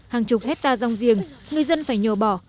hàng chục hectare rong giềng người dân phải nhờ bỏ